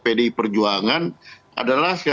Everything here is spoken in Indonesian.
pdi perjuangan adalah